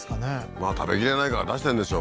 まあ食べきれないから出してんでしょ